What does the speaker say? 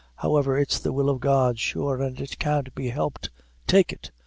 however, it's the will of God sure, an' it can't be helped take it."